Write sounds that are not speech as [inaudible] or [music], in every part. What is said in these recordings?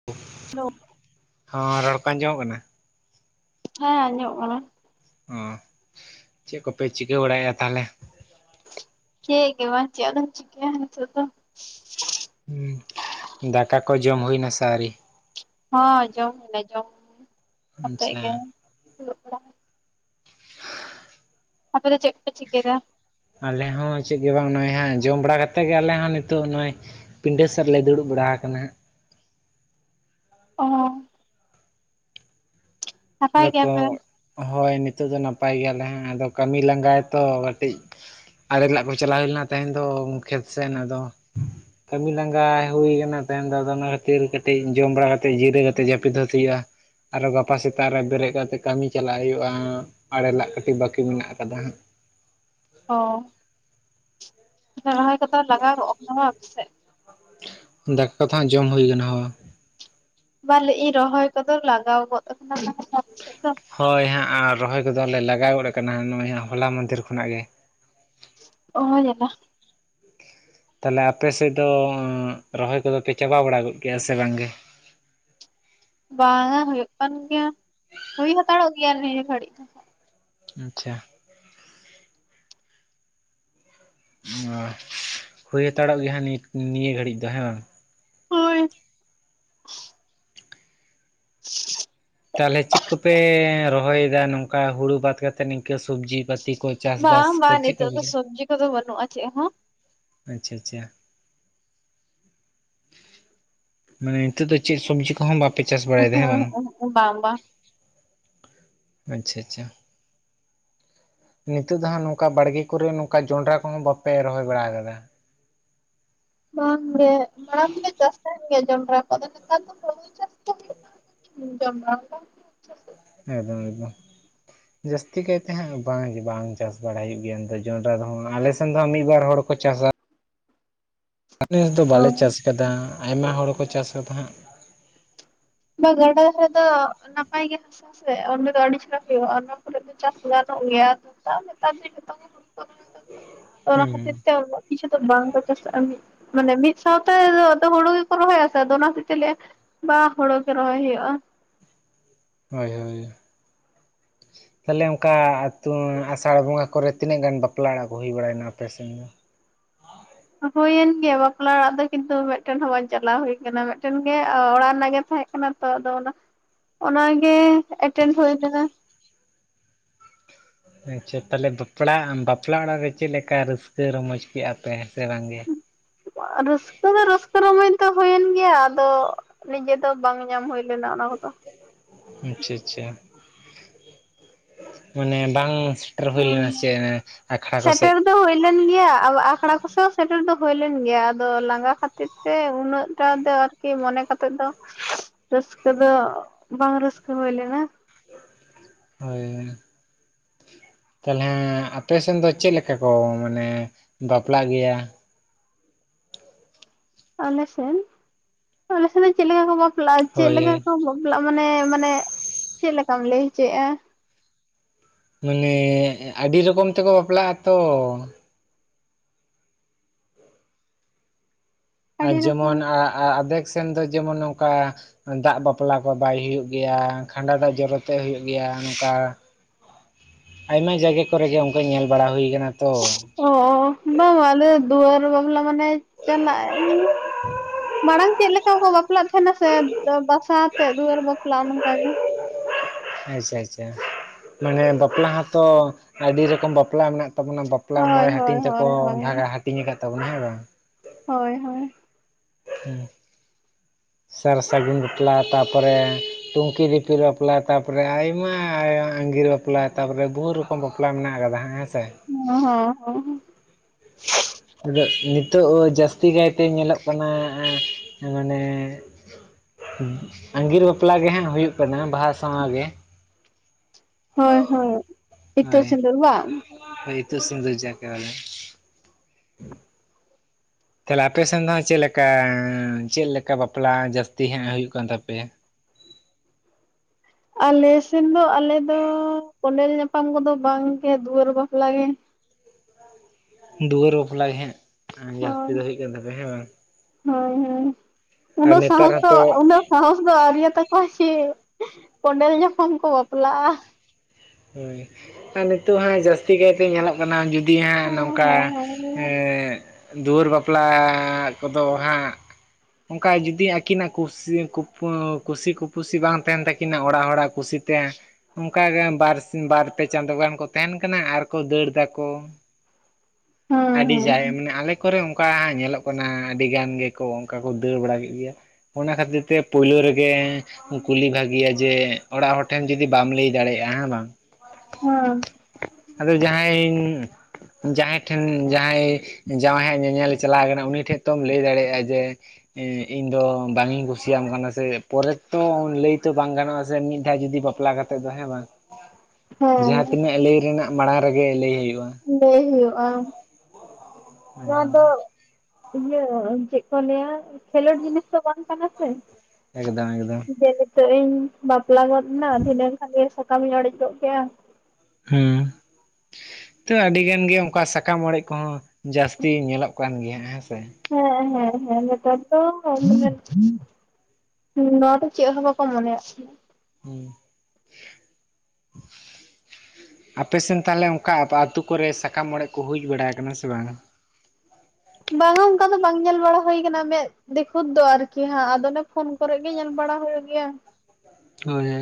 [inaudible] Hello. ᱦᱚᱸ ᱨᱚᱲ ᱠᱚ ᱟᱸᱡᱚᱢᱚᱜ ᱠᱟᱱᱟ? ᱦᱮᱸ ᱟᱡᱚᱢᱚᱜ ᱠᱟᱱᱟ ᱚ ᱪᱮᱫ ᱠᱚᱯᱮ ᱪᱤᱠᱟᱹ ᱵᱟᱲᱟᱭᱮᱜᱼᱟ ᱛᱟᱦᱚᱞᱮ ᱪᱮᱜ ᱜᱮ ᱵᱟᱝ ᱪᱮᱜ ᱟᱫᱚᱢ ᱪᱤᱠᱟᱹᱭᱟ ᱱᱤᱛᱚᱜ ᱫᱚ ᱫᱟᱠᱟ ᱠᱚ ᱡᱚᱢ ᱦᱩᱭ ᱱᱟ ᱥᱮ ᱟᱣᱨᱤ ᱦᱚᱸ ᱡᱚᱢ ᱦᱩᱭᱱᱟ ᱡᱚᱢ ᱠᱟᱛᱮᱜ ᱟᱪᱪᱷᱟ ᱜᱮ ᱫᱩᱨᱩᱵ ᱵᱟᱲᱟ ᱟᱯᱮ ᱫᱚ ᱪᱮᱫ ᱠᱚᱯᱮ ᱪᱤᱠᱟᱹᱭ ᱫᱟ ᱟᱞᱮ ᱦᱚᱸ ᱪᱮᱫ ᱜᱮ ᱵᱟᱝ ᱱᱚᱜᱼᱚᱭ ᱦᱟᱸᱜ ᱡᱚᱢ ᱵᱟᱲᱟ ᱠᱟᱛᱮᱫ ᱜᱮ ᱟᱞᱮ ᱦᱚᱸ ᱱᱤᱛᱚᱜ ᱱᱚᱜᱼᱚᱭ ᱯᱤᱸᱰᱟᱹ ᱥᱮᱫ ᱨᱮᱞᱮ ᱫᱩᱲᱩᱵ ᱵᱟᱲᱟ ᱟᱠᱟᱱᱟ [unintelligible] ᱱᱟᱯᱟᱭ ᱫᱚ ᱠᱚ ᱜᱮᱭᱟᱯᱮ ᱦᱳᱭ ᱱᱤᱛᱚᱜ ᱫᱚ ᱱᱟᱯᱟᱭ ᱜᱮᱭᱟᱞᱮ ᱦᱟᱜ ᱟᱫᱚ ᱠᱟᱹᱢᱤ ᱞᱟᱸᱜᱟᱭ ᱛᱚ ᱠᱟᱹᱴᱤᱡ ᱟᱲᱮ ᱞᱟ ᱠᱚ ᱪᱟᱞᱟᱣ ᱦᱩᱭ ᱞᱮᱱᱟ ᱛᱮᱦᱮᱧ ᱫᱚ ᱠᱷᱮᱛ ᱥᱮᱫ ᱟᱫᱚ ᱠᱟᱹᱢᱤ ᱞᱟᱸᱜᱟ ᱦᱩᱭ ᱠᱟᱱᱟ ᱛᱮᱦᱮᱧ ᱫᱚ ᱠᱟᱹᱴᱤᱡ ᱡᱚᱢ ᱵᱟᱲᱟ ᱠᱟᱛᱮᱫ ᱡᱤᱨᱟᱹ ᱠᱟᱛᱮ ᱡᱟᱹᱯᱤᱫ ᱦᱚᱛ ᱦᱩᱭᱩᱜᱼᱟ ᱟᱨᱚ ᱜᱟᱯᱟ ᱥᱮᱛᱟᱜ ᱨᱮ ᱵᱮᱨᱮᱫ ᱠᱟᱛᱮᱜ ᱠᱟᱹᱢᱤ ᱪᱟᱞᱟᱜ ᱦᱩᱭᱩᱜᱼᱟ ᱟᱲᱮ ᱞᱟᱜ ᱠᱟᱹᱴᱤᱡ ᱵᱟᱹᱠᱤ ᱢᱮᱱᱟᱜ ᱠᱟᱫᱟ ᱦᱟᱜ ᱚ ᱛᱚ ᱨᱚᱦᱚᱭ ᱠᱚᱫᱚ ᱞᱟᱜᱟᱣ ᱜᱚᱜ ᱠᱟᱱᱟ ᱥᱮᱫ ᱫᱟᱠᱟ ᱫᱚ ᱦᱟᱸᱜ ᱡᱚᱢ ᱦᱩᱭ ᱠᱟᱱᱟ ᱦᱳ ᱵᱟᱜ ᱞᱟᱭ ᱫᱟᱹᱧ ᱨᱚᱦᱚᱭ ᱠᱚᱫᱚ ᱞᱟᱜᱟᱣ ᱜᱚᱫ ᱠᱟᱱᱟ ᱟᱯᱮ ᱥᱮᱫ ᱫᱚ ᱦᱳᱭ ᱦᱟᱸᱜ ᱟᱨ ᱨᱚᱦᱚᱭ ᱠᱚᱫᱚᱞᱮ ᱞᱟᱜᱟᱣ ᱜᱚᱫ ᱟᱠᱟᱱᱟ ᱱᱚᱜᱼᱚᱭ ᱦᱟᱜ ᱦᱚᱞᱟ ᱢᱟᱱᱫᱷᱤᱨ ᱠᱷᱚᱱᱟᱜ ᱜᱮ ᱚ ᱡᱟᱞᱟ ᱛᱟᱦᱚᱞᱮ ᱟᱯᱮ ᱥᱮᱫ ᱫᱚ ᱨᱚᱦᱚᱭ ᱠᱚᱫᱚ ᱯᱮ ᱪᱟᱵᱟ ᱵᱟᱲᱟ ᱜᱚᱫ ᱠᱮᱭᱟ ᱥᱮ ᱵᱟᱝ ᱜᱮ ᱵᱟᱝᱟ ᱦᱩᱭᱩᱜ ᱠᱟᱱ ᱜᱮᱭᱟ ᱦᱩᱭ ᱦᱟᱛᱟᱲᱚᱜ ᱜᱮᱭᱟ ᱱᱤᱭᱟᱹ ᱜᱷᱟᱹᱲᱤᱡ ᱫᱚ ᱟᱪᱪᱷᱟ ᱚ ᱦᱩᱭ ᱦᱟᱛᱟᱲᱚᱜ ᱜᱮᱭᱟ ᱱᱤ ᱱᱤᱭᱟᱹ ᱜᱷᱟᱹᱲᱤᱡ ᱫᱚ ᱦᱮᱸ ᱵᱟᱝ ᱦᱳᱭ ᱛᱟᱦᱚᱞᱮ ᱪᱮᱫ ᱠᱚᱯᱮ ᱨᱚᱦᱚᱭᱮᱫᱟ ᱱᱚᱝᱠᱟ ᱦᱩᱲᱩ ᱵᱟᱫ ᱠᱟᱛᱮ ᱱᱤᱝᱠᱟᱹ ᱥᱚᱵᱽᱡᱤ ᱵᱟᱫ ᱛᱤ ᱠᱚ ᱪᱟᱥ ᱵᱟᱥ ᱵᱟᱝ [inaudible] ᱵᱟᱝ ᱱᱤᱛᱚᱜ ᱫᱚ ᱵᱟᱹᱱᱩᱜ-ᱟ ᱪᱮᱫ ᱦᱚᱸ ᱟᱪᱪᱷᱟ ᱟᱪᱪᱷᱟ ᱢᱟᱱᱮ ᱱᱤᱛᱳ ᱫᱚ ᱪᱮᱫ ᱥᱚᱵᱽᱡᱤ ᱠᱚᱦᱚᱸ ᱵᱟᱯᱮ ᱪᱟᱥ ᱵᱟᱲᱟᱭ ᱫᱟ ᱦᱮᱸ ᱩᱸᱦᱩᱸᱜ ᱵᱟᱝ ᱩᱸᱦᱩᱸᱜ ᱵᱟᱝ ᱵᱟᱝ ᱟᱪᱪᱷᱟ ᱟᱪᱪᱷᱟ ᱱᱤᱛᱚᱜ ᱫᱚ ᱦᱟᱸᱜ ᱱᱚᱝᱠᱟ ᱵᱟᱲᱜᱮ ᱠᱚᱨᱮ ᱱᱚᱝᱠᱟ ᱡᱚᱸᱰᱨᱟ ᱠᱚᱦᱚᱸ ᱵᱟᱯᱮ ᱨᱚᱦᱚᱭ ᱵᱟᱲᱟ ᱟᱠᱟᱫᱟ ᱵᱟᱝ ᱜᱮ ᱢᱟᱲᱟᱝ ᱫᱚ ᱞᱮ ᱪᱟᱥ ᱛᱟᱦᱮᱸᱱ ᱜᱮᱭᱟ ᱡᱚᱱᱰᱨᱟ ᱠᱚ ᱫᱚ ᱟᱫᱚ ᱱᱮᱛᱟᱨ ᱫᱚ [inaudible] [unintelligible] ᱮᱠᱫᱚᱢ ᱮᱠᱫᱚᱢ ᱡᱟᱹᱥᱛᱤ ᱠᱟᱭᱛᱮ ᱦᱟᱸᱜ ᱵᱟᱝᱜᱮ ᱵᱟᱝ ᱪᱟᱥ ᱵᱟᱲᱟᱭ ᱦᱩᱭᱩᱜ ᱜᱮᱭᱟ ᱱᱚᱛᱮ ᱡᱚᱱᱰᱨᱟ ᱨᱮᱦᱚᱸ ᱟᱞᱮ ᱥᱮᱱ ᱫᱚ ᱦᱟᱜ ᱢᱤᱫ ᱵᱟᱨ ᱦᱚᱲ ᱠᱚ ᱪᱟᱥᱟ ᱱᱮᱥ ᱫᱚ ᱚ ᱵᱟᱞᱮ ᱪᱟᱥ ᱟᱠᱟᱫᱟ ᱟᱭᱢᱟ ᱦᱚᱲ ᱠᱚ ᱪᱟᱥ ᱠᱟᱫᱟ ᱦᱟᱜ ᱵᱟ ᱜᱟᱰᱟ ᱨᱮ ᱫᱚ ᱱᱟᱯᱟᱭ ᱜᱮ ᱦᱮ ᱥᱮ ᱚᱸᱰᱮ ᱫᱚ ᱟᱹᱰᱤ ᱪᱮᱦᱨᱟ ᱦᱩᱭᱩᱜᱼᱟ ᱚᱱᱟ ᱠᱚᱨᱮ ᱫᱚ ᱪᱟᱥ ᱜᱟᱱᱚᱜ ᱜᱮᱭᱟ ᱛᱟᱨ [inaudible] ᱱᱮᱛᱟᱨ ᱫᱚ ᱡᱚᱛᱚ ᱜᱮ [inaudible] ᱚᱱᱟ ᱦᱩᱸ ᱠᱷᱟᱹᱤᱨ ᱛᱮ ᱠᱤᱪᱷᱩ ᱫᱚ ᱵᱟᱝ ᱫᱟᱥᱟ ᱢᱤᱫ ᱢᱟᱱᱮ ᱢᱤᱫ ᱥᱟᱶᱛᱮ ᱦᱩᱲᱩ ᱜᱮᱠᱚ ᱨᱚᱦᱚᱭᱟ ᱥᱮ ᱟᱫᱚ ᱚᱱᱟᱦᱚᱛᱮ ᱛᱮ ᱞᱟᱭᱼᱟ ᱵᱟ ᱦᱳᱲᱳ ᱜᱮ ᱨᱚᱦᱚᱭ ᱦᱩᱭᱩᱜᱼᱟ ᱦᱳᱭ ᱦᱳᱭ ᱛᱟᱦᱞᱮ ᱚᱱᱠᱟᱛᱟᱛᱩ ᱟᱥᱟᱲ ᱵᱚᱸᱜᱟ ᱠᱚᱨ ᱛᱤᱱᱟᱹᱜ ᱜᱟᱱ ᱵᱟᱯᱞᱟ ᱚᱲᱟᱜ ᱠᱚ ᱦᱩᱭ ᱵᱟᱲᱟᱭᱮᱱᱟ ᱟᱯᱮ ᱥᱮᱱ ᱫᱚ ᱦᱩᱭᱮᱱ ᱜᱮᱭᱟ ᱵᱟᱯᱞᱟ ᱚᱲᱟᱜ ᱫᱚ ᱠᱤᱱᱛᱩ ᱢᱤᱫᱴᱮᱱ ᱦᱚᱸ ᱵᱟᱝᱧ ᱪᱟᱞᱟᱣ ᱦᱩᱭ ᱠᱟᱱᱟ ᱢᱤᱫᱴᱮᱱ ᱜᱮ ᱚᱲᱟᱜ ᱨᱮᱱᱟᱜ ᱜᱮ ᱛᱟᱦᱮᱸ ᱚᱱᱟ ᱛᱚ ᱟᱫᱚ ᱚᱱᱟ ᱜᱮ ᱮᱴᱮᱱ ᱦᱩᱭ ᱞᱮᱱᱟ ᱟᱪᱪᱷᱟ ᱛᱟᱦᱚᱞᱮ ᱵᱟᱯᱲᱟ ᱵᱟᱯᱞᱟ ᱚᱲᱟᱜ ᱨᱮ ᱪᱮᱫ ᱞᱮᱠᱟ ᱨᱟᱹᱥᱠᱟᱹ ᱨᱚᱢᱚᱡᱽ ᱠᱮᱫᱼᱟ ᱯᱮ ᱦᱮᱸ ᱥᱮ ᱵᱟᱝᱜᱮ ᱨᱟᱹᱥᱠᱟᱹ ᱫᱚ ᱨᱟᱹᱥᱠᱟᱹ ᱨᱚᱢᱚᱡᱽ ᱫᱚ ᱦᱩᱭᱮᱱ ᱜᱮᱭᱟ ᱟᱫᱚ ᱱᱤᱡᱮ ᱫᱚ ᱵᱟᱝ ᱧᱟᱢ ᱦᱩᱭ ᱞᱮᱱᱟ ᱚᱱᱟ ᱠᱚᱫᱚ ᱟᱪᱷᱟ ᱟᱪᱷᱟ ᱢᱟᱱᱮ ᱵᱟᱝ? ᱥᱮᱴᱮᱨ ᱦᱩᱭ ᱦᱮᱸ ᱞᱮᱱᱟ ᱪᱮᱫ ᱟᱠᱷᱲᱟ ᱠᱚᱥᱮᱫ ᱥᱮᱴᱮᱨ ᱫᱚ ᱦᱩᱭ ᱞᱮᱱ ᱜᱮᱭᱟ ᱟᱠᱷᱲᱟ ᱠᱚᱥᱮ ᱦᱚᱸ ᱥᱮᱴᱮᱨ ᱫᱚ ᱦᱩᱭ ᱞᱮᱱ ᱜᱮᱭᱟ ᱟᱫᱚ ᱞᱟᱸᱜᱟ ᱠᱷᱛᱤᱨ ᱛᱮ ᱥᱮ ᱩᱱᱟᱹᱜᱴᱟ ᱫᱚ ᱟᱨᱠᱤ ᱢᱚᱱᱮ ᱠᱟᱛᱮᱫ ᱫᱚ ᱨᱟᱹᱥᱠᱟᱹ ᱫᱚ ᱵᱟᱝ ᱨᱟᱹᱥᱠᱟᱹ ᱦᱩᱭ ᱞᱮᱱᱟ ᱦᱳᱭ ᱛᱟᱦᱚᱞᱮ ᱟᱯᱮᱥᱱ ᱫᱚ ᱪᱮᱫ ᱞᱮᱠᱟ ᱠᱚ ᱢᱟᱱᱮ ᱵᱟᱯᱞᱟᱜ ᱜᱮᱭᱟ ᱟᱞᱮᱥᱮᱱ ᱟᱞᱮᱥᱮᱱ ᱫᱚ ᱪᱮᱫ ᱞᱮᱠᱟ ᱠᱚ ᱵᱟᱯᱞᱟᱜᱼᱟ ᱪᱮᱫ ᱦᱳᱭ ᱞᱮᱠᱟ ᱠᱚ ᱵᱟᱞ ᱢᱟᱱᱮ ᱢᱟᱱᱮ ᱪᱮᱫ ᱞᱮᱠᱟᱢ ᱞᱟᱹᱭ ᱦᱚᱪᱚᱭᱮᱫᱼᱟ ᱢᱟᱱᱮ ᱟᱹᱰᱤ ᱞᱚᱠᱚᱢ ᱛᱮᱠᱚ ᱵᱟᱯᱞᱟᱜᱼᱟ ᱛᱚ ᱟᱨ ᱟᱹᱰᱤ ᱡᱮᱢᱚᱱ ᱨᱚᱠᱚᱢ ᱟ ᱟᱫᱮᱠ ᱥᱮᱱ ᱫᱚ ᱡᱮᱢᱚᱱ ᱱᱚᱝᱠᱟ ᱫᱟᱜ ᱵᱟᱯᱞᱟ ᱠᱚ ᱵᱟᱭ ᱦᱩᱭᱩᱜ ᱜᱮᱭᱟ ᱠᱷᱟᱸᱰᱟ ᱫᱟᱜ ᱡᱚᱨᱚ ᱛᱮ ᱦᱩᱭᱩᱜ ᱜᱮᱭᱟ ᱱᱚᱝᱠᱟ ᱟᱭᱢᱟ ᱡᱟᱭᱜᱟ ᱠᱚᱨᱮ ᱜᱮ ᱚᱱᱠᱟ ᱧᱮᱞ ᱵᱟᱲᱟ ᱦᱩᱭ ᱠᱟᱱᱟ ᱛᱚ ᱚ ᱵᱟᱝ ᱟᱞᱮ ᱫᱩᱣᱟᱹᱨ ᱵᱟᱟᱢᱞᱟ ᱢᱟᱱᱮ ᱪᱟᱞᱟᱜ ᱭᱩ ᱢᱟᱲᱟᱝ ᱪᱮᱫ ᱞᱮᱠᱟ ᱠᱚ ᱵᱟᱯᱞᱟᱜ ᱛᱟᱦᱮᱱᱟ ᱥᱮ ᱵᱟᱥᱟᱛᱮᱜ ᱫᱩᱣᱟᱹᱨ ᱵᱟᱯᱞᱟᱜᱼᱟ ᱱᱚᱝᱠᱟᱜ ᱜᱮ ᱟᱪᱷᱟ ᱟᱪᱷᱟ ᱢᱟᱱᱮ ᱵᱟᱯᱞᱟ ᱦᱚᱸᱛᱚ ᱟᱹᱰᱤ ᱨᱚᱠᱚᱢ ᱵᱟᱯᱞᱟ ᱢᱮᱱᱟᱜ ᱛᱟᱵᱚᱱᱟ ᱵᱟᱯᱞᱟ ᱦᱳᱭ ᱢᱚᱬᱮ ᱦᱟᱹᱧ ᱦᱳᱭ ᱛᱮᱠᱚ ᱦᱳᱭ ᱦᱳᱭ ᱵᱷᱟᱜᱟ ᱦᱟᱹᱴᱤᱧ ᱟᱠᱟᱫ ᱛᱟᱵᱚᱱᱟ ᱦᱮᱸ ᱵᱟᱝ ᱦᱳᱭ ᱦᱳᱭ ᱦ ᱥᱟᱨ ᱥᱟᱹᱜᱩᱱ ᱵᱟᱯᱞᱟ ᱛᱟᱯᱚᱨᱮ ᱴᱩᱝᱠᱤ ᱫᱤᱯᱤ ᱵᱟᱯᱞᱟ ᱛᱟᱯᱚᱨᱮ ᱟᱭᱢᱟ ᱟᱭᱢᱟ ᱟᱸᱜᱤᱨ ᱵᱟᱯᱞᱟ ᱛᱟᱯᱚᱨᱮ ᱵᱷᱳᱨᱚ ᱨᱚᱢ ᱵᱟᱯᱞᱟ ᱢᱮᱱᱟᱜ ᱟᱠᱟᱫᱟ ᱦᱮᱸ ᱥᱮ ᱦᱮᱸ ᱦᱮᱸ ᱦᱮᱸ ᱦᱸ ᱟᱫᱚ ᱱᱤᱛᱚᱜ ᱡᱟᱹᱥᱛᱤ ᱠᱟᱭᱛᱮ ᱧᱮᱞᱚᱜ ᱠᱟᱱᱟ ᱢᱟᱱᱮ ᱟᱸᱜᱤᱨ ᱵᱟᱯᱞᱟ ᱜᱮ ᱦᱟᱸᱟᱜ ᱦᱩᱭᱩᱜ ᱠᱟᱱᱟ ᱵᱟᱦᱟ ᱥᱟᱶ ᱜᱮ ᱦᱳᱭ ᱦᱳᱭ ᱤᱛᱩᱫ ᱦᱳᱭ ᱥᱤᱸᱫᱩᱨ ᱵᱟᱝ ᱦᱳᱭ ᱤᱛᱩ ᱥᱤᱸᱫᱩᱨ ᱡᱟᱠᱮ ᱵᱚᱞᱮ [inaudible] ᱛᱟᱦᱚᱞᱮ ᱟᱯᱮ ᱥᱮᱱ ᱫᱚ ᱦᱟᱸᱜ ᱪᱮᱫ ᱞᱮᱠᱟ ᱪᱮᱫ ᱞᱮᱠᱟ ᱵᱟᱯᱞᱟ ᱡᱟᱹᱥᱛᱤ ᱦᱟᱸᱜ ᱦᱩᱭᱩᱜ ᱠᱟᱱ ᱛᱟᱯᱮᱭᱟ ᱟᱞᱮᱥᱱ ᱫᱚ ᱟᱞᱮ ᱫᱚ ᱠᱚᱱᱮᱞ ᱧᱟᱯᱟᱢ ᱠᱚᱫᱚ ᱵᱟᱝᱜᱮ ᱫᱩᱣᱟᱹᱨ ᱵᱟᱯᱞᱟᱜᱮ ᱫᱩᱣᱟᱹᱨ ᱵᱟᱯᱞᱟᱜ ᱜᱮ ᱦᱟᱸᱜ ᱡᱟᱹᱥᱛᱤ ᱫᱚ ᱦᱩᱭᱩᱜ ᱠᱟᱱ ᱛᱟᱯᱮᱭᱟ ᱦᱮᱸ ᱵᱟᱝ ᱦᱚᱭ ᱸ ᱦᱚᱭᱸ ᱟᱨ ᱩᱱᱟᱹᱜ ᱱᱮᱛᱟᱨ ᱥᱟᱦᱚᱥ ᱫᱚ ᱦᱚᱸᱛᱚ ᱩᱱᱟᱹᱜ ᱥᱟᱦᱚᱥ ᱫᱚ ᱟᱹᱨᱤᱭᱟ ᱛᱟᱠ ᱦᱚᱠᱚ ᱥᱮ ᱠᱚᱸᱰᱮᱞ ᱧᱚᱠᱷᱚᱱ ᱠᱚ ᱵᱟᱯᱞᱟᱜᱼᱟ ᱦᱩᱸ ᱟᱨ ᱱᱤᱛᱚᱜ ᱦᱟᱸᱜ ᱡᱟᱹᱥᱛᱤ ᱠᱟᱭᱛᱮ ᱧᱮᱞᱚᱜ ᱠᱟᱱᱟ ᱡᱩᱫ ᱛᱤᱦᱟᱸᱜ ᱦᱮᱸ ᱱᱚᱝᱠᱟ ᱦᱮᱸ ᱦᱮᱸ ᱫᱩᱣᱟᱹᱨ ᱵᱟᱯᱞᱟ ᱠᱚᱫᱚ ᱦᱟᱸᱜ ᱚᱱᱠᱟ ᱡᱩᱫᱤ ᱟᱹᱠᱤᱱᱟᱜ ᱠᱩᱥᱤ ᱠᱩ ᱠᱩᱥᱤ ᱠᱩᱯᱩᱥᱤ ᱵᱟᱝ ᱛᱟᱦᱮᱱ ᱛᱟᱹᱠᱤᱱᱟ ᱚᱲᱟᱜ ᱦᱚᱲᱟᱜ ᱠᱩᱥᱤ ᱚᱱᱠᱟᱟ ᱜᱮ ᱵᱟᱨ ᱤᱱ ᱵᱟᱨᱯᱮ ᱪᱟᱸᱫᱳ ᱜᱟᱱ ᱠᱚ ᱛᱟᱦᱮᱱ ᱠᱟᱱᱟ ᱟᱨ ᱠᱚ ᱫᱟᱹᱲ ᱫᱟᱠᱚ ᱦᱮᱸ ᱟᱹᱰᱤ ᱦᱮᱸ ᱡᱟᱭ ᱢᱟᱱᱮ ᱟᱞᱮ, ᱠᱚᱨᱮ ᱚᱱᱠᱟ ᱧᱮᱞᱚᱜ ᱠᱟᱱᱟ ᱟᱹᱰᱤ ᱜᱟᱱ ᱜᱮᱠᱚ ᱚᱱᱠᱟ ᱠᱚ ᱫᱟᱹᱲ ᱵᱟᱲᱟ ᱠᱮᱫ ᱜᱮᱭᱟ ᱾ ᱚᱱᱟ ᱠᱷᱟᱹᱛᱤᱨ ᱛᱮ ᱯᱳᱭᱞᱳ ᱨᱮᱜᱮ ᱠᱩᱞᱤ ᱵᱷᱟᱹᱜᱮᱤᱭᱟ ᱡᱮ ᱚᱲᱟᱜ ᱦᱚᱲ ᱴᱷᱮᱱ ᱡᱩᱚᱫᱤ ᱵᱟᱢ ᱞᱟᱹᱭ ᱫᱟᱲᱮᱭᱟᱜᱼᱟ ᱦᱮᱸ ᱵᱟᱝ? ᱦᱩᱸ ᱟᱫᱚ ᱡᱟᱦᱟᱸᱭ ᱡᱟᱦᱟᱸᱭ ᱴᱷᱮᱱ ᱡᱟᱦᱟᱸᱭ ᱡᱟᱶᱟᱭ ᱦᱟᱸ ᱧᱮᱧᱮᱞ ᱪᱟᱞᱟᱣ ᱠᱟᱱᱟ ᱩᱱᱤ ᱴᱷᱮᱡ ᱛᱚᱢ ᱞᱟᱹᱭ ᱫᱟᱲᱮᱭᱟᱜᱼᱟ ᱡᱮ ᱤᱧ ᱫᱚ ᱵᱟᱝᱤᱧ ᱠᱩᱥᱤᱭᱟᱢ ᱠᱟᱱᱟ ᱥᱮ ᱯᱚᱨᱮ ᱛᱚ ᱞᱟᱹᱭ ᱛᱚ ᱵᱟᱝ ᱜᱟᱱᱚᱜᱼᱟ ᱥᱮ ᱢᱤᱫ ᱫᱷᱟᱣ ᱡᱩᱫᱤ ᱵᱟᱯ ᱵᱟᱯᱞᱟ ᱠᱟᱛᱮ ᱫᱚ ᱦᱮᱸ ᱵᱟᱝ ᱡᱟᱦᱟᱸ ᱦᱮᱸ ᱛᱤᱱᱟᱹᱜ ᱞᱟᱹᱭ ᱨᱮᱱᱟᱜ ᱢᱟᱲᱟᱝ ᱨᱮᱜᱮ ᱞᱟᱹᱭ ᱦᱩᱭᱩᱜᱼᱟ ᱞᱟᱹᱭ ᱦᱩᱭᱩᱜᱼᱟ ᱾ ᱱᱚᱣᱟ ᱫᱚ, ᱤᱭᱟᱹ ᱪᱮᱫ ᱠᱚ ᱞᱟᱹᱭᱟ ᱠᱷᱮᱞᱳᱰ ᱡᱤᱱᱤᱥ ᱫᱚ ᱵᱟᱝ ᱠᱟᱱᱟ ᱥᱮ, ᱮᱠᱫᱚᱢ ᱮᱠᱫᱚᱢ ᱾ ᱡᱮ ᱱᱤᱛᱚᱜ ᱤᱧ ᱵᱟᱯᱞᱟ ᱜᱚᱫ ᱮᱱᱟ ᱫᱷᱤᱱᱟᱹᱝ ᱠᱷᱟᱱ ᱜᱮ ᱥᱟᱠᱟᱢ ᱤᱧ ᱚᱲᱮᱡᱚᱜ ᱠᱮᱜᱼᱟ ᱾ ᱦᱩᱸ ᱾ ᱛᱚ ᱟᱹᱰᱤ ᱜᱟᱱ ᱜᱮ ᱚᱱᱠᱟ ᱥᱟᱠᱟᱢ ᱚᱲᱮᱡ ᱠᱚᱦᱚᱸ ᱡᱟᱹᱥᱛᱤ ᱧᱮᱞᱚᱜ ᱠᱟᱱ ᱜᱮᱭᱟ ᱦᱮᱸᱥᱮ ᱾ ᱦᱮᱸ ᱦᱮᱸ ᱦᱮᱸ ᱱᱮᱛᱟᱨ ᱫᱚ ᱾ ᱱᱚᱣᱟ ᱫᱚ ᱪᱮᱫ ᱦᱚᱸ ᱵᱟᱠᱚ ᱢᱚᱱᱮᱭᱟᱜ ᱠᱟᱱᱟ ᱾ ᱦᱩᱸ ᱾ ᱟᱯᱮ ᱥᱮᱱ ᱛᱟᱦᱞᱮ ᱚᱱᱠᱟ ᱟᱛᱳ ᱠᱚᱨᱮ ᱥᱟᱠᱟᱢ ᱚᱲᱮᱡ ᱠᱚ ᱦᱩᱭ ᱵᱟᱲᱟᱣ ᱟᱠᱟᱱᱟ ᱥᱮ ᱵᱟᱝ? ᱵᱟᱝᱟ ᱚᱱᱠᱟ ᱫᱚ ᱵᱟᱝ ᱧᱮᱞ ᱵᱟᱲᱟ ᱦᱩᱭ ᱟᱠᱟᱱᱟ ᱢᱮᱫ ᱫᱤᱠᱷᱩᱫ ᱫᱚ ᱟᱨᱠᱤ ᱦᱟᱸᱜ ᱟᱫᱚ ᱚᱱᱮ ᱯᱷᱳᱱ ᱠᱚᱨᱮᱫ ᱜᱮ ᱧᱮᱞ ᱵᱟᱲᱟ ᱦᱩᱭᱩᱜ ᱜᱮᱭᱟ ᱾ ᱦᱳᱭ ᱾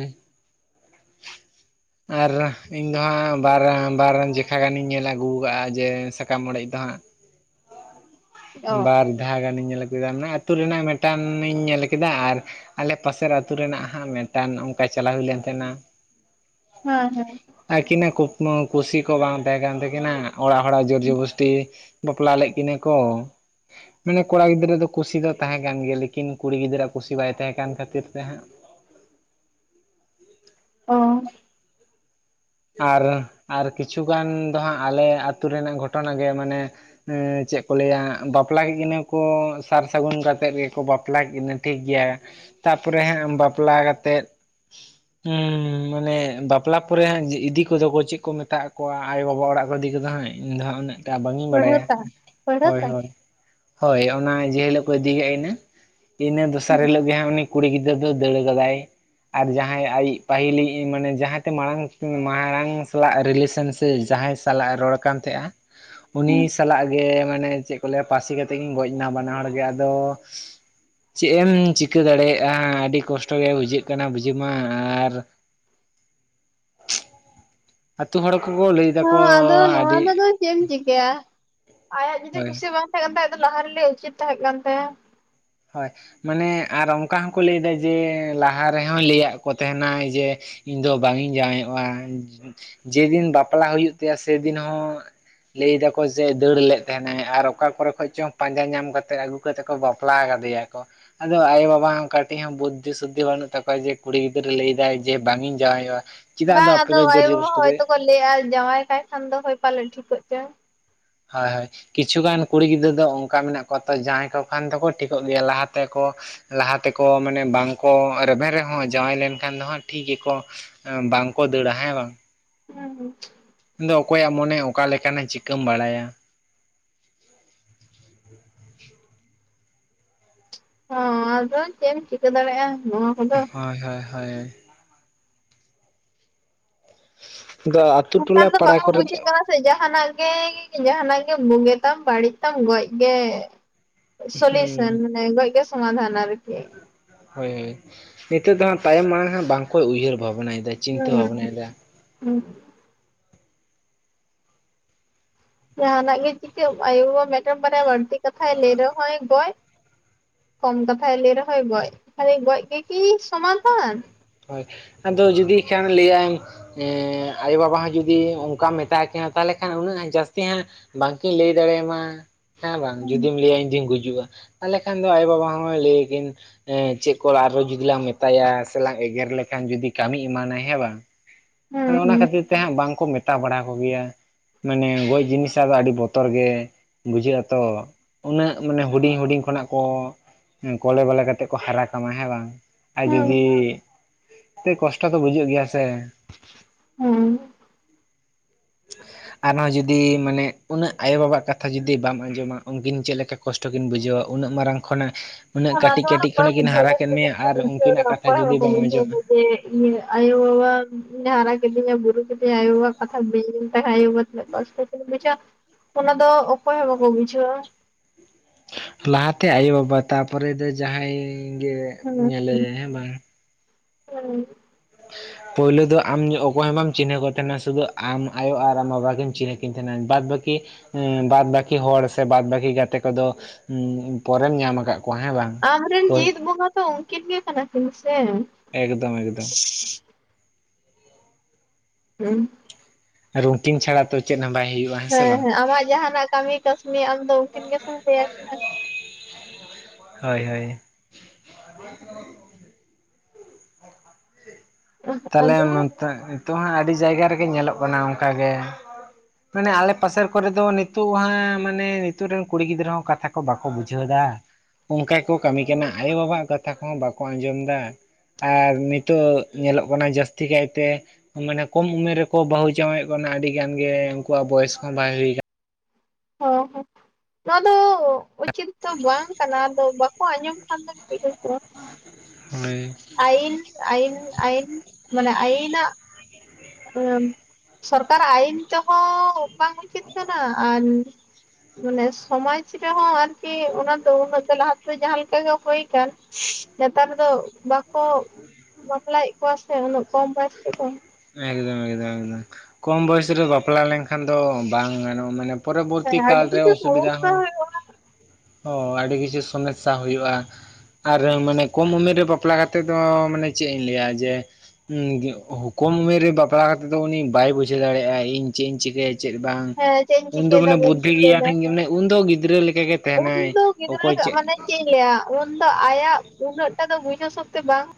ᱟᱨ ᱤᱧ ᱫᱚ ᱦᱟᱸᱜ ᱵᱟᱨ ᱵᱟᱨ ᱡᱮᱠᱷᱟ ᱜᱟᱱᱤᱧ ᱧᱮᱞ ᱟᱹᱜᱩ ᱠᱟᱜᱼᱟ ᱡᱮ ᱥᱟᱠᱟᱢ ᱚᱲᱮᱡ ᱫᱚ ᱦᱟᱸᱜ, ᱚ ᱵᱟᱨ ᱫᱷᱟᱣ ᱜᱟᱱᱤᱧ ᱧᱮᱞ ᱟᱹᱜᱩᱭᱫᱟ ᱚᱱᱟ ᱟᱹᱛᱩ ᱨᱮᱱᱟᱜ ᱢᱮᱴᱟᱱᱤᱧ ᱧᱮᱞ ᱠᱮᱫᱟ ᱟᱨ, ᱟᱞᱮ ᱯᱟᱥᱮᱨ ᱟᱹᱛᱩ ᱨᱮᱱᱟᱜ ᱦᱟᱸᱜ ᱢᱤᱫᱴᱟᱱ ᱚᱱᱠᱟ ᱪᱟᱞᱟᱣ ᱦᱩᱭ ᱞᱮᱱ ᱛᱟᱦᱮᱱᱼᱟ ᱾ ᱦᱮᱸ ᱦᱮᱸ ᱾ ᱟᱠᱤᱱᱼᱟᱜ ᱠᱩᱠᱢᱩ ᱠᱩᱥᱤ ᱠᱚ ᱵᱟᱝ ᱛᱟᱦᱮᱸ ᱠᱟᱱ ᱛᱟᱹᱠᱤᱱᱟ ᱚᱲᱟᱜ ᱦᱚᱲᱼᱟᱜ ᱡᱳᱨ ᱡᱚᱵᱚᱥᱴᱤ, ᱵᱟᱯᱞᱟ ᱞᱮᱫ ᱠᱤᱱᱟᱹ ᱠᱚ, ᱢᱟᱱᱮ ᱠᱚᱲᱟ ᱜᱤᱫᱽᱨᱟᱹ ᱫᱚ ᱠᱩᱥᱤ ᱫᱚ ᱛᱟᱦᱮᱸ ᱠᱟᱱ ᱜᱮᱭᱟ ᱞᱮᱠᱤᱱ ᱠᱩᱲᱤ ᱜᱤᱫᱽᱟᱹᱨᱼᱟᱜ ᱠᱩᱥᱤ ᱵᱟᱭ ᱛᱟᱦᱮᱸ ᱠᱟᱱ ᱠᱷᱟᱹᱛᱤᱨ ᱛᱮ ᱦᱟᱸᱜ, ᱚ ᱾ ᱟᱨ ᱟᱨ ᱠᱤᱪᱷᱩ ᱜᱟᱱ ᱫᱚ ᱦᱟᱸᱜ ᱟᱞᱮ ᱟᱹᱛᱩ ᱨᱮᱱᱟᱜ ᱜᱷᱚᱴᱚᱱᱟ ᱜᱮ ᱢᱟᱱᱮ ᱪᱮᱫ ᱠᱚ ᱞᱟᱹᱭᱟ ᱵᱟᱯᱞᱟ ᱠᱮᱜ ᱠᱤᱱᱟᱹ ᱠᱚ ᱥᱟᱨ ᱥᱟᱹᱜᱩᱱ ᱠᱟᱛᱮᱫ ᱜᱮᱠᱚ ᱵᱟᱯᱞᱟ ᱠᱮᱜ ᱠᱤᱱᱟᱹ ᱴᱷᱤᱠ ᱜᱮᱭᱟ ᱛᱟᱯᱚᱨᱮ ᱦᱟᱸᱜ ᱵᱟᱯᱞᱟ ᱠᱟᱛᱮᱜ ᱦᱩᱸ ᱢᱟᱱᱮ ᱵᱟᱯᱞᱟ ᱯᱚᱨᱮ ᱦᱟᱸᱜ ᱡᱮ ᱤᱫᱤ ᱠᱚᱫᱚ ᱠᱚ ᱪᱮᱫ ᱠᱚ ᱢᱮᱛᱟᱜ ᱟᱠᱚᱣᱟ ᱟᱭᱳ ᱵᱟᱵᱟ ᱚᱲᱟᱜ ᱠᱚ ᱤᱫᱤ ᱠᱚᱫᱚ ᱦᱟᱸᱜ ᱤᱧ ᱫᱚ ᱦᱟᱸᱜ ᱩᱱᱟᱹᱜ ᱴᱟ ᱵᱟᱝᱤᱧ ᱵᱟᱰᱟᱭᱼᱟ ᱯᱟᱹᱲᱦᱟᱹᱛᱟ ᱦᱳᱭ ᱯᱟᱹᱲᱦᱟᱹᱛᱟ ᱦᱮᱸ ᱦᱳᱭ ᱾ ᱦᱳᱭ ᱚᱱᱟ ᱡᱮ ᱦᱤᱞᱳᱜ ᱠᱚ ᱤᱫᱤᱭ ᱦᱮᱡ ᱮᱱᱟ ᱤᱱᱟᱹ ᱫᱚᱥᱟᱨ ᱦᱤᱞᱳᱜ ᱜᱮ ᱦᱟᱸᱜ ᱩᱱᱤ, ᱠᱩᱲᱤ ᱜᱤᱫᱽᱨᱟᱹ ᱫᱚ ᱫᱟᱹᱲ ᱠᱟᱫᱟᱭ ᱟᱨ ᱡᱟᱦᱟᱸᱭ ᱟᱡᱤᱡ ᱯᱟᱹᱦᱤᱞᱤᱡ ᱢᱟᱱᱮ ᱡᱟᱸᱦᱟᱛᱮ ᱢᱟᱲᱟᱝ ᱢᱟᱲᱟᱝ ᱥᱟᱞᱟᱜ ᱨᱤᱞᱮᱥᱚᱱ ᱥᱮ ᱡᱟᱸᱦᱟᱭ ᱥᱟᱞᱟᱜ ᱮ ᱨᱚᱲ ᱠᱟᱱ ᱛᱟᱦᱮᱸᱫᱼᱟ ᱩᱱᱤ ᱥᱟᱞᱟᱜ ᱜᱮ ᱢᱟᱱᱮ ᱪᱮᱫ ᱠᱚ ᱞᱟᱹᱭ ᱟ ᱯᱟᱹᱥᱤ ᱠᱟᱛᱮᱫ ᱠᱤᱱ ᱜᱚᱡ ᱱᱟ ᱵᱟᱱᱟ ᱦᱚᱲ ᱜᱮ ᱟᱫᱚ, ᱪᱮᱜ ᱮᱢ ᱪᱤᱠᱟᱹ ᱫᱟᱲᱮᱭᱟᱜᱼᱟ ᱟᱹᱰᱤ ᱠᱚᱥᱴᱚ ᱜᱮ ᱵᱩᱡᱷᱟᱹᱜ ᱠᱟᱱᱟ ᱵᱩᱡᱷᱟᱹᱣ ᱢᱟ ᱟᱨ ᱟᱹᱛᱩ ᱦᱚᱲ ᱠᱚᱠᱚ ᱞᱟᱹᱭ ᱫᱟᱠᱚ ᱦᱚᱸ ᱟᱫᱚ ᱱᱚᱣᱟ ᱟᱹᱰᱤ ᱨᱮᱫᱚ ᱪᱮᱫ ᱮᱢ ᱪᱤᱠᱟᱹᱭᱟ ᱟᱭᱟᱜ ᱡᱩᱫᱤ ᱦᱳᱭ ᱠᱩᱥᱤ ᱵᱟᱝ ᱛᱟᱦᱮᱸ ᱠᱟᱱ ᱛᱟᱭ ᱠᱷᱟᱡ ᱫᱚ ᱞᱟᱦᱟ ᱨᱮ ᱞᱟᱹᱭ ᱩᱪᱤᱛ ᱛᱟᱦᱮᱸ ᱠᱟᱱ ᱛᱟᱭᱟ ᱾ ᱦᱳᱭ ᱢᱟᱱᱮ ᱟᱨ ᱚᱱᱠᱟ ᱦᱚᱸᱠᱚ ᱞᱟᱹᱭᱫᱟ ᱡᱮ ᱞᱟᱦᱟ ᱨᱮ ᱦᱚᱸᱭ ᱞᱟᱹᱭᱼᱟᱜ ᱠᱚ ᱛᱟᱦᱮᱱᱟᱭ ᱡᱮ ᱤᱧ ᱫᱚ ᱵᱟᱝ ᱤᱧ ᱡᱟᱸᱣᱟᱭᱚᱜᱼᱟ ᱡᱮᱫᱤᱱ ᱵᱟᱯᱞᱟ ᱦᱩᱭᱩᱜ ᱛᱟᱭᱟ ᱥᱮᱫᱤᱱ ᱦᱚᱸ ᱞᱟᱹᱭ ᱫᱟᱠᱚ ᱡᱮ ᱫᱟᱹᱲ ᱞᱮᱫ ᱛᱟᱦᱮᱸᱱᱟᱭ ᱟᱨ ᱚᱠᱟ ᱠᱚᱨᱮ ᱠᱷᱚᱡ ᱪᱚᱝ ᱯᱟᱸᱡᱟ ᱧᱟᱢ ᱠᱟᱛᱮ ᱟᱹᱜᱩ ᱠᱟᱛᱮ ᱠᱚ ᱵᱟᱯ ᱞᱟ ᱠᱟᱫᱮ ᱟᱠᱚ ᱾ ᱟᱫᱚ ᱟᱭᱳᱼᱵᱟᱵᱟ ᱦᱚᱸ ᱠᱟᱴᱤᱡ ᱦᱚᱸ ᱵᱩᱫᱽᱫᱷᱤ ᱥᱩᱫᱽᱫᱷᱤ ᱵᱟᱹᱱᱩᱜ ᱛᱟᱠᱚᱣᱟ ᱡᱮ ᱠᱩᱲᱤ ᱜᱤᱫᱽᱨᱟᱹ ᱞᱟᱹᱭ ᱮᱫᱟᱭ ᱡᱮ ᱵᱟᱝ ᱤᱧ ᱡᱟᱸᱣᱟᱭᱚᱜᱼᱟ ᱾ ᱵᱟᱝ ᱟᱫᱚ ᱟᱭᱳ-ᱵᱟᱵᱟ ᱦᱚᱭᱛᱚᱠᱚ ᱞᱟᱹᱭ ᱮᱜᱼᱟ ᱡᱟᱸᱶᱟᱭ ᱠᱟᱭ ᱠᱷᱟᱱ ᱫᱚ ᱦᱳᱭ ᱯᱟᱞᱮ ᱴᱷᱤᱠᱚᱜ ᱪᱚᱭ ᱦᱳᱭ ᱦᱳᱭ ᱾ ᱠᱤᱪᱷᱩ ᱜᱟᱱ ᱠᱩᱲᱤ ᱜᱤᱫᱽᱟᱹᱨ ᱫᱚ ᱚᱝᱠᱟ ᱢᱮᱱᱟᱜ ᱠᱚᱣᱟ ᱛᱚ ᱡᱟᱸᱣᱟᱭ ᱠᱚ ᱠᱷᱟᱱ ᱫᱚᱠᱚ ᱴᱷᱤᱠᱚᱜ ᱜᱮᱭᱟ ᱞᱟᱦᱟ ᱛᱮᱠᱚ ᱾ ᱞᱟᱦᱟ ᱛᱮᱠᱚ ᱢᱟᱱᱮ ᱵᱟᱝᱠᱚ ᱨᱮᱵᱮᱱ ᱨᱮᱦᱚᱸ ᱡᱟᱶᱟᱭ ᱞᱮᱱᱠᱷᱟᱱ ᱫᱚ ᱦᱟᱸᱜ ᱴᱷᱤᱠ ᱜᱮᱠᱚ ᱾ ᱵᱟᱝᱠᱚ ᱫᱟᱹᱲ ᱟ ᱦᱮᱸ ᱵᱟᱝ, ᱦᱩᱸ ᱾ ᱟᱫᱚ ᱚᱠᱚᱭᱼᱟᱜ ᱢᱚᱱᱮ ᱚᱠᱟ ᱞᱮᱠᱟᱱᱟ ᱪᱤᱠᱟᱹᱢ ᱵᱟᱲᱟᱭᱟ ᱾ ᱦᱩᱸ ᱟᱫᱚ ᱪᱮᱫ ᱮᱢ ᱪᱤᱠᱟᱹ ᱫᱟᱲᱮᱜᱼᱟ ᱱᱚᱣᱟ ᱠᱚᱫᱚ, ᱦᱳᱭ ᱦᱳᱭ ᱾ ᱦᱳᱭ ᱟᱫᱚ ᱟᱛᱳ ᱱᱮᱛᱟᱨ ᱴᱚᱞᱟ ᱫᱚ ᱯᱟᱲᱟ ᱵᱟᱠᱚ ᱠᱚᱨᱮ ᱫᱚ ᱵᱩᱡᱷᱟᱹᱜ ᱠᱟᱱᱟ ᱡᱟᱦᱟᱸᱱᱼᱟᱜ ᱜᱮ ᱡᱟᱦᱟᱸᱱᱼᱟᱜ ᱜᱮ ᱵᱩᱜᱮ ᱛᱟᱢ ᱵᱟᱹᱲᱤᱡ ᱛᱟᱢ ᱜᱚᱡ ᱜᱮ ᱥᱚᱞᱤᱭᱩᱥᱚᱱ ᱦᱩᱸ ᱢᱟᱱᱮ ᱜᱚᱡ ᱜᱮ ᱥᱚᱢᱟᱫᱷᱟᱱ ᱟᱨᱠᱤ ᱦᱳᱭ ᱱᱤᱛᱚᱜ ᱫᱚ ᱦᱟᱸᱜ ᱛᱟᱭᱚᱢ ᱢᱟᱲᱟᱝ ᱦᱟᱸᱜ ᱵᱟᱝ ᱠᱚ ᱩᱭᱦᱟᱹᱨ ᱵᱷᱟᱵᱽᱱᱟᱭ ᱦᱩᱸ ᱦᱩᱸ ᱡᱟᱦᱟᱸ ᱱᱟᱜ ᱜᱮ ᱪᱤᱠᱟᱹᱜ ᱟᱭᱳ ᱵᱟᱵᱟ ᱢᱤᱫᱴᱮᱱ ᱵᱟᱨᱭᱟ ᱵᱟᱹᱲᱛᱤ ᱠᱟᱛᱷᱟᱭ ᱞᱟᱹᱭ ᱨᱮᱦᱚᱸᱭ ᱜᱚᱡ ᱠᱚᱢ ᱠᱟᱛᱷᱟᱭ ᱞᱟᱹᱭ ᱨᱮ ᱦᱚᱭ ᱜᱚᱡ ᱠᱷᱟᱹᱞᱤ ᱜᱚᱡ ᱜᱮᱠᱤ ᱥᱚᱢᱟᱫᱷᱟᱱ ᱦᱚᱭ ᱟᱫᱚ ᱡᱩᱫᱤ ᱠᱷᱟᱱ ᱞᱟᱹᱭᱟᱭ ᱮᱸᱜ ᱟᱭᱳ ᱵᱟᱵᱟ ᱦᱚᱸ ᱡᱩᱫᱤ ᱚᱱᱠᱟᱢ ᱢᱮᱛᱟ ᱠᱤᱱᱟ ᱛᱟᱦᱚᱞᱮ ᱠᱷᱟᱱ ᱩᱱᱟᱹᱜ ᱡᱟᱹᱥᱛᱤ ᱦᱟᱸᱜ ᱵᱟᱝ ᱠᱤᱱ ᱞᱟᱹᱭ ᱫᱟᱲᱮᱭᱟᱢᱟ ᱦᱮᱸ ᱵᱟᱝ ᱦᱩᱸ ᱡᱩᱫᱤᱢ ᱞᱟᱹᱭᱟ ᱤᱧ ᱫᱩᱧ ᱜᱩᱡᱩᱜ-ᱟ ᱛᱟᱦᱚᱞᱮ ᱠᱷᱟᱱ ᱫᱚ ᱟᱭᱳ ᱵᱟᱵᱟ ᱦᱚᱸ ᱞᱟᱹᱭ ᱟᱠᱤᱱ ᱪᱮᱫ ᱠᱚ ᱟᱨᱦᱚᱸ ᱡᱩᱫᱤ ᱞᱟᱝ ᱢᱮᱛᱟᱭᱟ ᱥᱮᱞᱟᱝ ᱮᱜᱮᱨ ᱞᱮᱠᱷᱟᱱ ᱡᱩᱫᱤ ᱠᱟᱹᱢᱤ ᱮᱢᱟᱱᱟᱭ ᱦᱮᱸ ᱵᱟᱝ ᱟᱫᱚ ᱚᱱᱟ ᱦᱩᱸ ᱠᱷᱟᱹᱛᱤᱨ ᱛᱮ ᱦᱟᱸᱜ ᱵᱟᱝ ᱠᱚ ᱢᱮᱛᱟ ᱵᱟᱲᱟ ᱠᱚ ᱜᱮᱭᱟ ᱢᱟᱱᱮ ᱜᱚᱡ ᱡᱤᱱᱤᱥ ᱟᱫᱚ ᱟᱹᱰᱤ ᱵᱚᱛᱚᱨ ᱜᱮ ᱵᱩᱡᱷᱟᱹᱜ ᱟᱛᱚ ᱩᱱᱟᱹᱜ ᱢᱟᱱᱮ ᱦᱩᱰᱤᱧ ᱦᱩᱰᱤᱧ ᱠᱷᱚᱱᱟᱜ ᱠᱚ ᱠᱚᱞᱮ ᱵᱟᱞᱮ ᱠᱟᱛᱮᱜ ᱠᱚ ᱦᱟᱨᱟ ᱠᱟᱢᱟ ᱦᱮᱸ ᱵᱟᱝ ᱟᱨ ᱦᱩᱸ ᱡᱩᱫᱤ ᱠᱟᱹᱡ ᱠᱚᱥᱴᱚ ᱫᱚ ᱵᱩᱡᱩᱜ ᱜᱮᱭᱟ ᱥᱮ ᱩᱸ ᱟᱨᱦᱚᱸ ᱡᱩᱫᱤ ᱢᱟᱱᱮ ᱩᱱᱟᱹᱜ ᱟᱭᱳ ᱵᱟᱵᱟ ᱟᱜ ᱠᱟᱛᱷᱟ ᱡᱩᱫᱤ ᱵᱟᱢ ᱟᱸᱡᱚᱢᱟ ᱩᱱᱠᱤᱱ ᱪᱮᱫ ᱞᱮᱠᱟ ᱠᱚᱥᱴᱚ ᱠᱤᱱ ᱵᱩᱡᱷᱟᱹᱣᱟ ᱩᱱᱟᱹᱜ ᱢᱟᱨᱟᱝ ᱠᱷᱚᱱᱟᱜ [unintelligible] ᱩᱱᱟᱹᱜ ᱠᱟᱹᱴᱤᱡ ᱠᱟᱹᱴᱤᱡ ᱠᱷᱚᱱᱟᱜ ᱠᱤᱱ ᱦᱟᱨᱟ ᱠᱮᱫ ᱢᱮᱭᱟ ᱟᱨ ᱩᱱᱠᱤᱱᱟᱜ ᱠᱟᱛᱷᱟ ᱡᱩᱫᱤ ᱵᱟᱢ ᱟᱸᱡᱚᱢᱟ ᱟᱭᱳ ᱵᱟᱵᱟ ᱦᱟᱨᱟ ᱠᱤᱫᱤᱧᱟ ᱵᱩᱨᱩ ᱠᱤᱫ ᱡᱮ ᱟᱭᱳ ᱵᱟᱵᱟ ᱠᱟᱛᱷᱟ ᱵᱟᱹᱧ ᱟᱸᱡᱚᱢ ᱞᱮᱛᱟᱭ ᱠᱷᱟᱡ ᱛᱤᱱᱟᱹᱜ ᱠᱚᱥᱴᱚ ᱠᱤᱱ ᱵᱩᱡᱟ ᱚᱱᱟ ᱫᱚ ᱚᱠᱚᱭ ᱦᱚ ᱵᱟᱠᱚ ᱵᱩᱡᱷᱟᱹᱣᱟ ᱞᱟᱦᱟ ᱛᱮ ᱟᱭᱳ ᱵᱟᱵᱟ ᱛᱟᱯᱚᱨᱮ ᱫᱚ ᱡᱟᱦᱟᱸᱭ ᱜᱮ ᱧᱮᱞᱮᱭᱟᱭ ᱦᱮᱸ [unintelligible] [unintelligible] ᱯᱳᱭᱞᱩ ᱫᱚ ᱟᱢ ᱚᱠᱚᱭ ᱦᱚᱸ ᱵᱟᱢ ᱪᱤᱱᱦᱟᱹᱣ ᱠᱚ ᱛᱟᱦᱮᱸᱱᱟ ᱥᱩᱫᱩ ᱟᱢ ᱟᱭᱳ ᱟᱨ ᱟᱢ ᱵᱟᱵᱟ ᱜᱮᱢ ᱪᱤᱱᱦᱟᱹ ᱠᱤᱱ ᱛᱟᱦᱮᱱᱟ ᱵᱟᱫ ᱵᱟᱹᱠᱤ ᱦᱮᱸ ᱵᱟᱫ ᱵᱟᱹᱠᱤ ᱦᱚᱲ ᱥᱮ ᱵᱟᱫ ᱵᱟᱹᱠᱤ ᱜᱟᱛᱮ ᱠᱚᱫᱚ ᱩᱸᱜ ᱯᱚᱨᱮᱢ ᱧᱟᱢ ᱟᱠᱟᱫ ᱠᱚᱣᱟ ᱦᱮᱸ ᱵᱟᱝ ᱟᱢ ᱨᱮᱱ ᱦᱳᱭ ᱡᱤᱛ ᱵᱚᱸᱜᱟ ᱛᱚ ᱩᱱᱠᱤᱱ ᱜᱮ ᱠᱟᱱᱟ ᱠᱤᱱ ᱥᱮ ᱮᱠᱫᱚᱢ ᱮᱠᱫᱚᱢ [unintelligible] ᱨᱩᱴᱤᱝ ᱪᱷᱟᱲᱟ ᱛᱚ ᱪᱮᱫ ᱦᱚᱸ ᱵᱟᱭ ᱦᱩᱭᱩᱜ ᱦᱮᱸ ᱦᱮᱸ ᱟᱢᱟᱜ ᱡᱟᱦᱟᱸᱱᱟᱜ ᱠᱟᱹᱢᱤ ᱠᱟᱹᱥᱱᱤ ᱟᱢ ᱫᱚ ᱩᱱᱠᱤᱱ ᱜᱮᱥᱮᱢ ᱞᱟᱹᱭ ᱟᱠᱤᱱᱟ ᱦᱚᱭ ᱦᱚᱭ ᱛᱟᱦᱞᱮ ᱟᱫᱚ ᱦᱚᱸ ᱱᱚᱱᱛᱮ ᱱᱤᱛᱚᱜ ᱦᱚᱸ ᱟᱹᱰᱤ ᱡᱟᱭᱜᱟ ᱨᱮᱜᱮ ᱧᱮᱞᱚᱜ ᱠᱟᱱᱟ ᱚᱱᱠᱟ ᱜᱮ ᱢᱟᱱᱮ ᱟᱞᱮ ᱯᱟᱥᱮᱨ ᱠᱚᱨᱮ ᱫᱚ ᱱᱤᱛᱚᱜ ᱦᱟᱸᱜ ᱢᱟᱱᱮ ᱱᱤᱛᱚᱜ ᱨᱮᱱ ᱠᱩᱲᱤ ᱜᱤᱫᱽᱨᱟᱹ ᱦᱚᱸ ᱠᱟᱛᱷᱟ ᱠᱚ ᱵᱟᱠᱚ ᱵᱩᱡᱷᱟᱹᱣ ᱫᱟ ᱚᱱᱠᱟ ᱜᱮᱠᱚ ᱠᱟᱹᱢᱤ ᱠᱟᱱᱟ ᱟᱭᱳ ᱵᱟᱵᱟᱣᱟᱜ ᱠᱟᱛᱷᱟ ᱠᱚᱦᱚᱸ ᱵᱟᱠᱚ ᱟᱸᱡᱚᱢ ᱫᱟ ᱟᱨ ᱱᱤᱛᱚᱜ ᱧᱮᱞᱚᱜ ᱠᱟᱱᱟ ᱡᱟᱹᱥᱛᱤ ᱠᱟᱭ ᱛᱮ ᱢᱟᱱᱮ ᱠᱚᱢ ᱩᱢᱮᱨ ᱨᱮᱠᱚ ᱵᱟᱹᱦᱩ ᱡᱟᱶᱟᱭᱚᱜ ᱠᱟᱱᱟ ᱟᱹᱰᱤ ᱜᱟᱱ ᱜᱮ ᱩᱱᱠᱩᱣᱟᱜ ᱵᱚᱭᱮᱥ ᱦᱚᱸ ᱵᱟᱭ ᱦᱩᱭ ᱟᱠᱟᱱᱟ᱾ ᱚ ᱦᱚᱸ ᱱᱚᱣᱟ ᱫᱚ ᱩᱪᱤᱛ ᱫᱚ ᱵᱟᱝ ᱠᱟᱱᱟ ᱟᱫᱚ ᱵᱟᱠᱚ ᱟᱸᱡᱚᱢ ᱠᱷᱟᱱ ᱫᱚᱢ ᱪᱤᱠᱟᱹ ᱠᱚᱣᱟ ᱟᱠᱟᱱᱟ ᱦᱳᱭ ᱟᱭᱤᱱ ᱟᱭᱤᱱ ᱟᱭᱤᱱ ᱢᱟᱱᱮ ᱟᱭᱤᱱᱟᱜ ᱟᱹᱢ ᱥᱚᱨᱠᱟᱨᱟᱜ ᱟᱭᱤᱱ ᱛᱮᱦᱚᱸ ᱵᱟᱝ ᱩᱪᱤᱛ ᱠᱟᱱᱟ ᱟᱨᱢ ᱢᱟᱱᱮ ᱥᱚᱢᱟᱡᱽ ᱨᱮᱦᱚᱸ ᱟᱨᱠᱤ ᱚᱱᱟ ᱫᱚ ᱩᱱᱟᱹᱜ ᱫᱚ ᱞᱟᱦᱟ ᱛᱮᱫᱚ ᱡᱟᱦᱟᱸ ᱞᱮᱠᱟ ᱦᱩᱭ ᱠᱟᱱ ᱱᱮᱛᱟᱨ ᱫᱚ ᱵᱟᱠᱚ ᱵᱟᱯᱞᱟᱭ ᱮᱫ ᱠᱚᱣᱟ ᱥᱮ ᱩᱱᱟᱹᱜ ᱠᱚᱢ ᱵᱚᱭᱮᱥ ᱛᱮᱫᱚ ᱮᱠᱫᱚᱢ ᱮᱠᱫᱚᱢ ᱮᱠᱫᱚᱢ ᱠᱚᱢ ᱵᱚᱭᱚᱥ ᱨᱮ ᱵᱟᱯᱞᱟ ᱞᱮᱱᱠᱷᱟᱱ ᱫᱚ ᱵᱟᱝ ᱜᱟᱱᱚᱜ-ᱟ ᱢᱟᱱᱮ ᱯᱚᱨᱚᱵᱚᱨᱛᱤ ᱦᱮᱸ ᱠᱟᱞ ᱟᱹᱰᱤ ᱨᱮ ᱠᱤᱪᱷᱩ ᱚᱥᱩᱵᱤᱫᱷᱟ ᱥᱚᱢᱚᱥᱥᱟ ᱦᱚᱸ ᱦᱩᱭᱩᱜᱼᱟ ᱚ ᱟᱹᱰᱤ ᱠᱤᱪᱷᱩ ᱥᱚᱢᱮᱥᱥᱟ ᱦᱩᱭᱩᱜ-ᱟ᱾ ᱟᱨ ᱢᱟᱱᱮ ᱠᱚᱢ ᱩᱢᱮᱨ ᱨᱮ ᱵᱟᱯᱞᱟ ᱠᱟᱛᱮᱜ ᱫᱚ ᱢᱟᱱᱮ ᱪᱮᱫ ᱤᱧ ᱞᱟᱹᱭᱟ ᱡᱮ ᱩᱸ ᱜᱩᱸᱜ ᱠᱚᱢ ᱩᱢᱮᱨ ᱨᱮ ᱵᱟᱯᱞᱟ ᱠᱟᱛᱮᱜ ᱫᱚ ᱩᱱᱤ ᱵᱟᱭ ᱵᱩᱡᱷᱟᱹᱣ ᱫᱟᱲᱮᱭᱟᱜ-ᱟ ᱤᱧ ᱪᱮᱫ ᱤᱧ ᱪᱤᱠᱟᱹᱭᱟ ᱪᱮᱫ ᱵᱟᱝ ᱦᱮᱸ ᱪᱮᱫ ᱤᱧ ᱩᱱᱫᱚ ᱪᱤᱠᱟᱹᱭᱮᱫᱟ ᱢᱟᱱᱮ ᱵᱟᱹᱧ ᱵᱩᱫᱽᱫᱷᱤ ᱜᱮᱭᱟᱱᱟᱹᱧ ᱜᱮ ᱢᱟᱱᱮ ᱩᱱᱫᱚ ᱜᱤᱫᱽᱨᱟᱹ ᱞᱮᱠᱟ ᱜᱮ ᱩᱱᱫᱚ ᱜᱤᱫᱽᱨᱟᱹ ᱜᱮ ᱢᱟᱱᱮ ᱪᱮᱫ ᱤᱧ ᱞᱟᱹᱭᱟ ᱩᱱᱫᱚ ᱟᱭᱟᱜ ᱩᱱᱟᱹᱜ ᱴᱟ ᱫᱚ ᱵᱩᱡᱷᱟᱹᱣ ᱥᱚᱠᱛᱤ ᱵᱟᱝ